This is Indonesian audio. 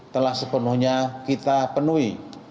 telah sepenuhnya kita penuhi